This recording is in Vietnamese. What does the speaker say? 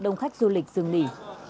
đông khách du lịch dừng nghỉ